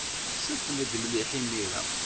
Ssefled mliḥ imir-a.